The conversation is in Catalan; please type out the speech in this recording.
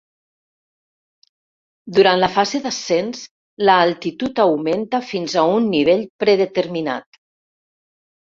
Durant la fase d'ascens, l'altitud augmenta fins a un nivell predeterminat.